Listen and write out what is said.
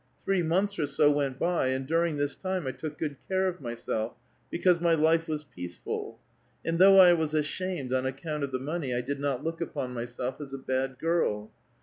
Three months or so went by, and during this time I took good care of myself, because my life was peace ful ; and though I was ashamed on account of the money, I did not look upon myself as a bad girl.